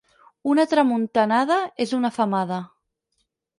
Una tramuntanada és una femada.